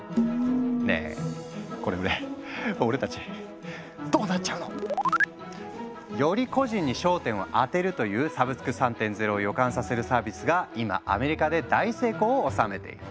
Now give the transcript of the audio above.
ねえこれで俺たちどうなっちゃうの？より個人に焦点を当てるというサブスク３．０を予感させるサービスが今アメリカで大成功を収めている。